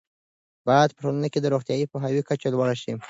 باید په ټولنه کې د روغتیايي پوهاوي کچه لوړه شي.